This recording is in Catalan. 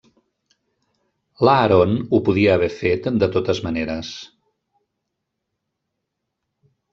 L'Aaron ho podia haver fet de totes maneres.